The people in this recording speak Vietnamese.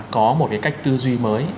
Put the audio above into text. có một cái cách tư duy mới